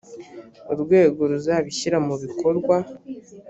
urwego ruzabishyira mu bikorwa